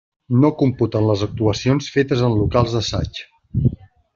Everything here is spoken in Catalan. No computen les actuacions fetes en locals d'assaig.